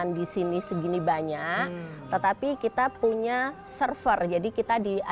ruang sukarno dikatakan sebagai ruang utama